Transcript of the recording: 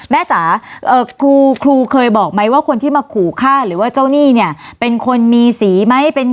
จ๋าครูเคยบอกไหมว่าคนที่มาขู่ฆ่าหรือว่าเจ้าหนี้เนี่ยเป็นคนมีสีไหม